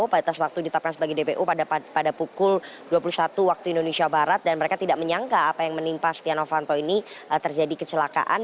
pada waktu ditetapkan sebagai dpu pada pukul dua puluh satu waktu indonesia barat dan mereka tidak menyangka apa yang menimpa setia novanto ini terjadi kecelakaan